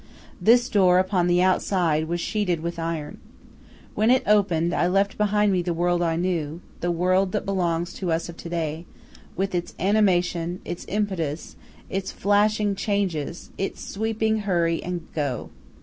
This door upon the outside was sheeted with iron. When it opened, I left behind me the world I knew, the world that belongs to us of to day, with its animation, its impetus, its flashing changes, its sweeping hurry and "go."